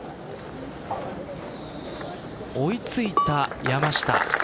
追いついた山下。